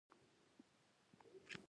که مو غاړه نېغه کړې وي اوس ټیټه کړئ.